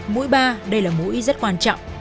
mũi ba đây là mũi rất quan trọng